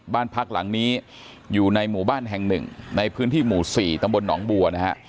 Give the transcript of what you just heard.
บ้านพักหลังนี้อยู่ในหมู่บ้านแห่งหนึ่งในพื้นที่หมู่๔ตำบลหนองบัวนะฮะ